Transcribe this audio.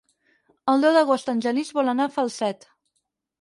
El deu d'agost en Genís vol anar a Falset.